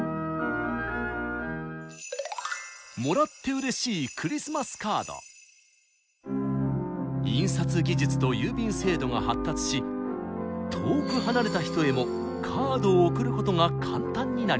もらってうれしい印刷技術と郵便制度が発達し遠く離れた人へもカードを送ることが簡単になりました。